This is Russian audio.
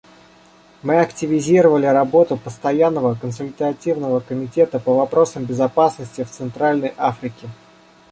Мы активизировали работу Постоянного консультативного комитета по вопросам безопасности в Центральной Африке.